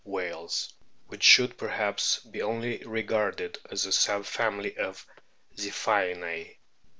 whales, which should perhaps be only regarded as a sub family Ziphiinae.